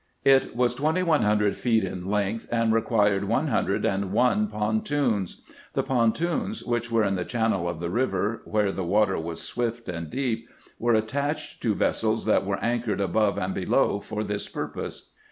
It was twenty one hundred feet in length, and required one hundred and one pontoons. The pontoons, which were in the chan nel of the river, where the water was swift and deep, were attached to vessels that were anchored above and below for this purpose.